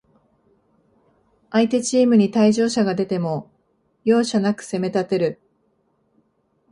相手チームに退場者が出ても、容赦なく攻めたてる